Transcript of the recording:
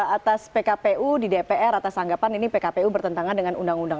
atas pkpu di dpr atas anggapan ini pkpu bertentangan dengan undang undang